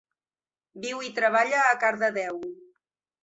Viu i treballa a Cardedeu.